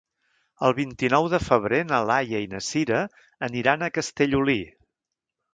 El vint-i-nou de febrer na Laia i na Sira aniran a Castellolí.